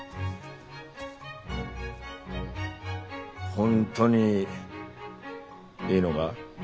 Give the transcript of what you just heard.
本当にいいのが？